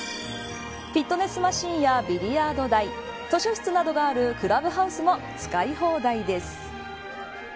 フィットネスマシンやビリヤード台図書室などがあるクラブハウスも使い放題です。